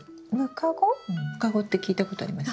ムカゴって聞いたことあります？